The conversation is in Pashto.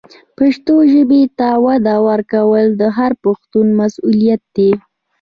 پښتو ژبې ته وده ورکول د هر پښتون مسؤلیت دی.